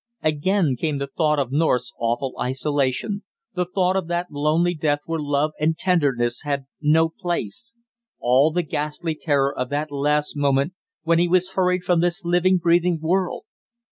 Again came the thought of North's awful isolation; the thought of that lonely death where love and tenderness had no place; all the ghastly terror of that last moment when he was hurried from this living breathing world!